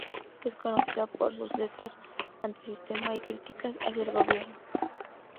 Es conocida por sus letras antisistema y críticas hacia el gobierno.